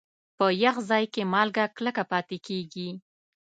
په یخ ځای کې مالګه کلکه پاتې کېږي.